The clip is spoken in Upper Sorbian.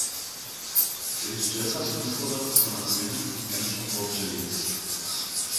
Tež dźesać duchownych so na swjedźenskich kemšach wobdźěli: